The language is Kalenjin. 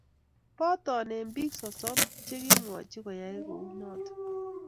boton eng biik sosom che kokimwochi koyai kou noti